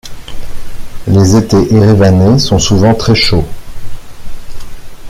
Les étés erevanais sont souvent très chauds.